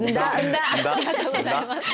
ありがとうございます。